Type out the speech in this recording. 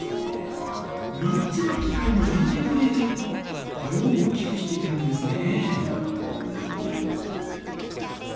３つの機械の連係プレーで声を大きくしていたんですね。